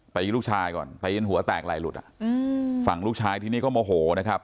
ลูกชายก่อนตีจนหัวแตกไหลหลุดอ่ะอืมฝั่งลูกชายทีนี้ก็โมโหนะครับ